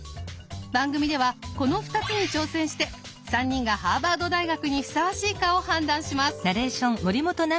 番組ではこの２つに挑戦して３人がハーバード大学にふさわしいかを判断します。